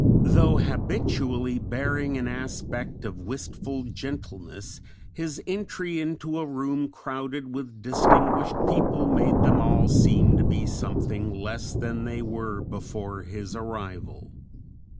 Though habitually bearing an aspect of wistful gentleness, his entry into a room crowded with distinguished people made them all seem to be something less than they were before his arrival.